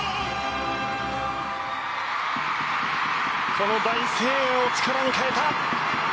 この大声援を力に変えた。